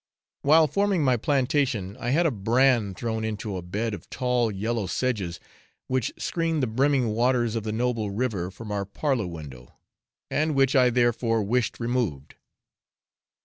While forming my plantation I had a brand thrown into a bed of tall yellow sedges which screen the brimming waters of the noble river from our parlour window, and which I therefore wished removed.